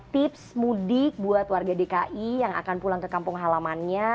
tips mudik buat warga dki yang akan pulang ke kampung halamannya